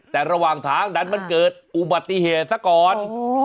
แต่ระหว่างทางดันมันเกิดอุบัติเหตุซะก่อน